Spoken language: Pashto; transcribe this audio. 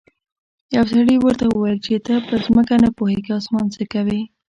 یو سړي ورته وویل چې ته په ځمکه نه پوهیږې اسمان څه کوې.